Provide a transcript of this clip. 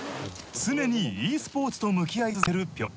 常にｅスポーツと向き合い続けるＰｙｏｎ。